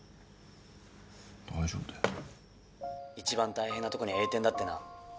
一番大変なとこに栄転だってな。